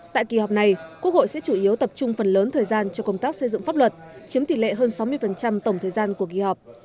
tại kỳ họp này quốc hội sẽ chủ yếu tập trung phần lớn thời gian cho công tác xây dựng pháp luật chiếm tỷ lệ hơn sáu mươi tổng thời gian của kỳ họp